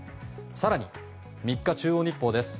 更に、３日の中央日報です。